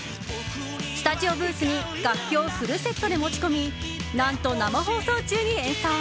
スタジオブースに楽器をフルセットで持ち込み何と、生放送中に演奏。